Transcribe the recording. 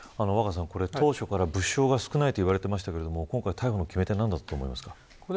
当初から物証が少ないといわれていますが逮捕の決め手はなんだと思いますか。